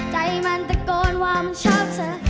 ใจมันตะโกนว่ามันชอบเธอ